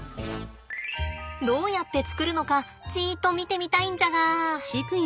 どうやって作るのかちと見てみたいんじゃが。